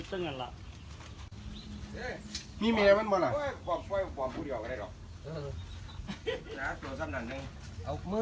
อินเตอรู